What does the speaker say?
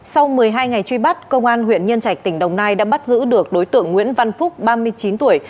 sau một mươi hai ngày truy bắt công an huyện nhân trạch tỉnh đồng nai đã bắt giữ được đối tượng nguyễn văn phúc ba mươi chín tuổi